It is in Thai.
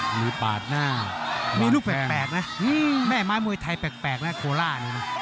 มีปากหน้ามีลูกแปลกนะแม่ไม้มือไทยแปลกนะโคล่าเนี่ย